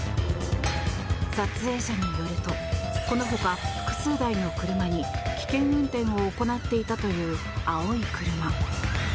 撮影者によるとこのほか、複数台の車に危険運転を行っていたという青い車。